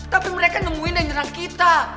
tapi mereka nemuin yang nyerang kita